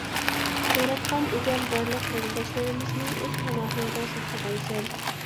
ياراتقان ئىگەم، بارلىق قېرىنداشلىرىمىزنى ئۆز پاناھىڭدا ساقلىغايسەن!